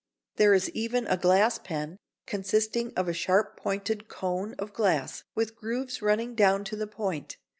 There is even a glass pen, consisting of a sharp pointed cone of glass with grooves running down to the point.